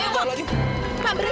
ini berapa mbak